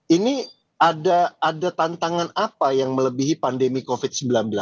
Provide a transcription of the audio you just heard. ini ada tantangan apa yang melebihi pandemi covid sembilan belas